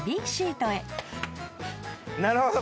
なるほど。